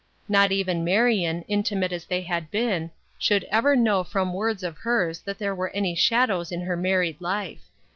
Not even Marion, intimate as they had been, should ever know from words of hers that there were any shadows in her married life.